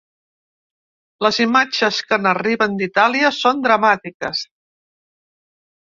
Les imatges que n’arriben d’Itàlia són dramàtiques.